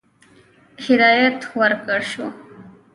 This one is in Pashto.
هدایت ورکړه شو.